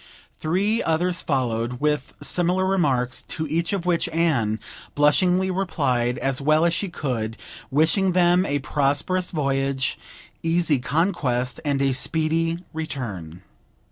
Three others followed with similar remarks, to each of which Anne blushingly replied as well as she could, wishing them a prosperous voyage, easy conquest, and a speedy return.